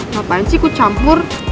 ngapain sih gue campur